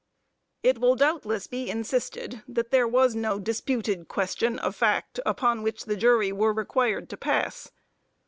It will doubtless be insisted that there was no disputed question of fact upon which the jury were required to pass.